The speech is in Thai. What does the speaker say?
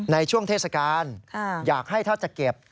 ในช่วงเทศกาลอยากให้ถ้าจะเก็บ